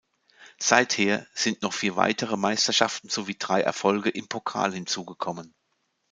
Seither sind noch vier weitere Meisterschaften sowie drei Erfolge im Pokal hinzugekommen.